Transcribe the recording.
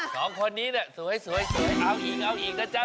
สองคนนี้เนี่ยสวยเอาอีกเอาอีกนะจ๊